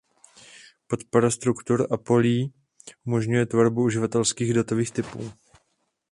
Podpora struktur a polí umožňuje tvorbu uživatelských datových typů.